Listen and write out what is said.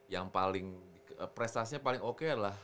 yang paling prestasinya paling oke adalah